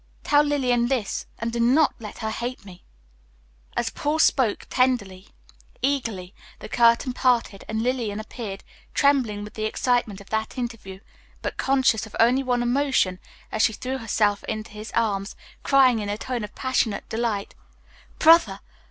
Tell Lillian this, and do not let her hate me." As Paul spoke, tenderly, eagerly, the curtain parted, and Lillian appeared, trembling with the excitement of that interview, but conscious of only one emotion as she threw herself into his arms, crying in a tone of passionate delight, "Brother!